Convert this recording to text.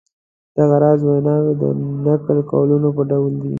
دغه راز ویناوی د نقل قولونو په ډول دي.